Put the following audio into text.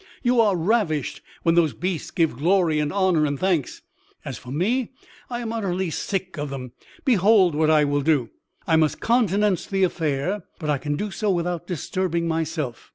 You are ravished when those beasts give glory and honour and thanks; as for me, I am utterly sick of them. Behold what I will do; I must countenance the affair, but I can do so without disturbing myself.